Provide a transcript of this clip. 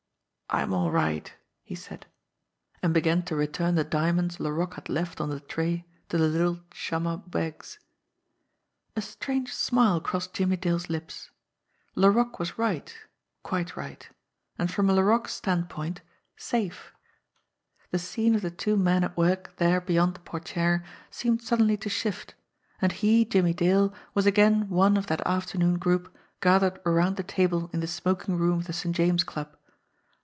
"I'm all right," he said and began to return the diamonds Laroque had left on the tray to the little chamois bags. A strange smile crossed Jimmie Dale's lips. Laroque was right quite right. And from Laroque's standpoint safe. THE GRAY SEAL 29 The scene of the two men at work there beyond the portiere seemed suddenly to shift, and he, Jimmie Dale, was again one of that afternoon group gathered around the table in the smoking room of the St. James Club.